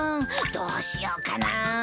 どうしようかな？